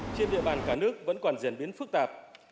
trên địa bàn cả nước vẫn còn diễn biến phức tạp